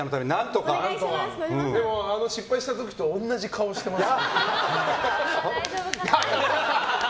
あの失敗した時と同じ顔してます。